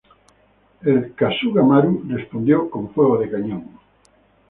El "Kasuga Maru "respondió con fuego de cañón.